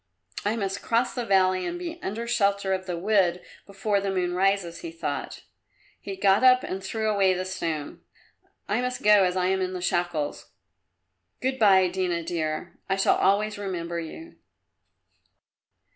"I must cross the valley and be under shelter of the wood before the moon rises," he thought. He got up and threw away the stone. "I must go as I am in the shackles. Good bye, Dina, dear; I shall always remember you."